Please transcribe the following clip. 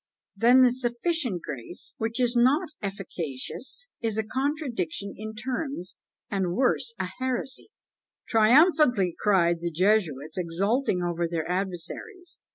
"Then the sufficient grace, which is not efficacious, is a contradiction in terms, and worse, a heresy!" triumphantly cried the Jesuits, exulting over their adversaries.